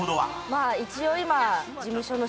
まあ一応今。